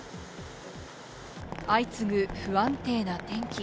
相次ぐ不安定な天気。